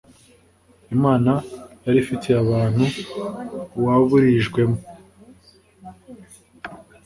imana yari ifitiye abantu waburijwemo